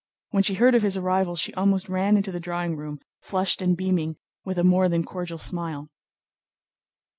When she heard of his arrival she almost ran into the drawing room, flushed and beaming with a more than cordial smile.